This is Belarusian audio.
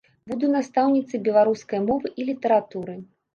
Буду настаўніцай беларускай мовы і літаратуры.